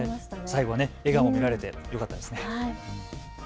最後は笑顔見られてよかったです。